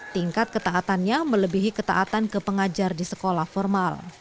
tingkat ketaatannya melebihi ketaatan ke pengajar di sekolah formal